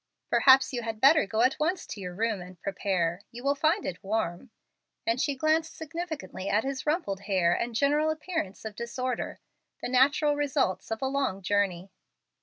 "Perhaps you had better go at once to your room and prepare. You will find it warm," and she glanced significantly at his rumpled hair and general appearance of disorder, the natural results of a long journey.